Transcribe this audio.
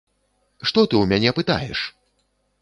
Што ты ў мяне пытаеш?